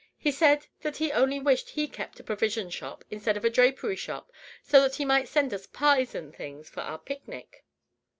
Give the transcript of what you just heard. He said that he only wished he kept a provision shop instead of a drapery shop, so that he might send us pies and things for our picnic."